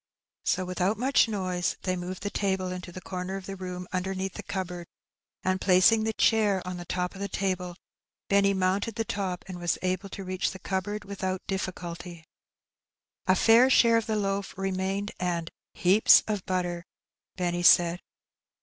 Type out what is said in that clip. So without much noiBe they moved the table into the comer of the room Qndemea, th the cupboard, and placing the chair on the top of the table, Benny mounted the top, and was able to reach the cupboard without difficulty. Addlee's Hall. 23 A fair share of the loaf remained^ and '' heaps of butter,'' Benny said.